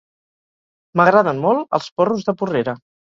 M'agraden molt els porros de Porrera.